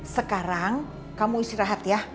sekarang kamu istirahat ya